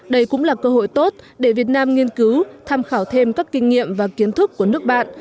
đây cũng là cơ hội tốt để việt nam nghiên cứu tham khảo thêm các kinh nghiệm và kiến thức của nước bạn